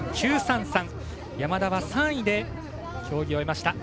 山田は３位で競技を終えました。